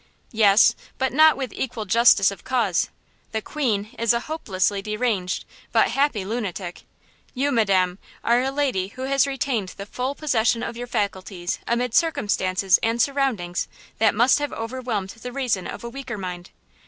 "Yes, but not with equal justice of cause. The 'queen' is a hopelessly deranged, but happy lunatic. You, Madam, are a lady who has retained the full possession of your faculties amid circumstances and surroundings that must have overwhelmed the reason of a weaker mind."